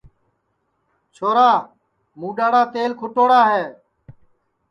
چھورا مُڈؔاڑا تیل کُھٹوڑا ہے